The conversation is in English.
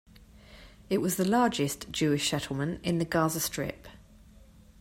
It was the largest Jewish settlement in the Gaza Strip.